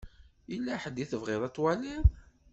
Yella ḥedd i tebɣiḍ ad twaliḍ?